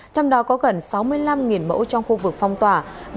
trong đó có gần sáu mươi năm mẫu trong khu vực phong tỏa